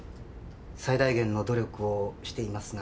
最大限の努力をしていますが。